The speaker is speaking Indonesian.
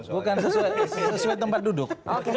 bukan sesuai tempat duduk